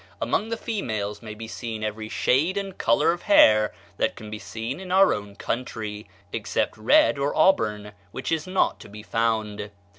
"Among the females may be seen every shade and color of hair that can be seen in our own country except red or auburn, which is not to be found....